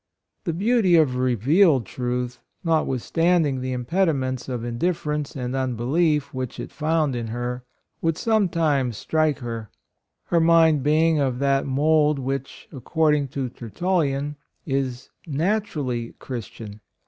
The beauty of revealed truth, notwithstanding the impediments of indifference and unbelief which it found in her, would sometimes strike her — her mind being of that mould which, according to Tertul lian, is naturally Christian.